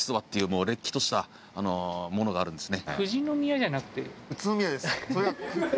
もうれっきとしたものがあるんですね。